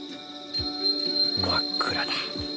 真っ暗だ。